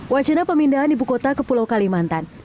wacana pemindahan ibu kota ke pulau kalimantan